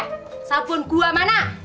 eh sabun gua mana